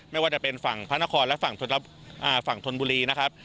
ไม่ว่าจะเป็นฝั่งพระนครและฝั่งธนบุรีนะครับ